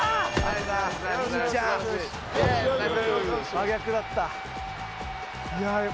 真逆だった。